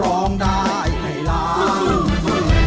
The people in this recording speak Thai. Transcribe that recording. ร้องได้ให้ล้าน